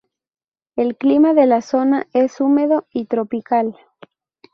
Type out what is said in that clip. El clima de la zona es húmedo y tropical.